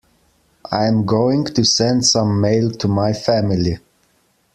I am going to send some mail to my family.